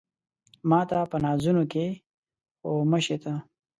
ماته په نازونو کې خو مه شې ته